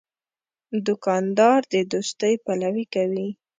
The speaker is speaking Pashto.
دوکاندار د دوستۍ پلوي کوي.